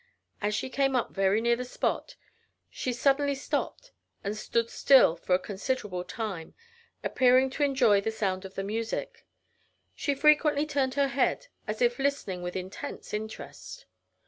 When she came up very near the spot, she suddenly stopped, and stood still for a considerable time, appearing to enjoy the sound of the music. She frequently turned her head, as if listening with intense interest.